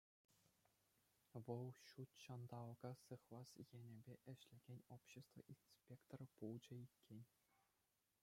Вӑл ҫутҫанталӑка сыхлас енӗпе ӗҫлекен общество инспекторӗ пулчӗ иккен.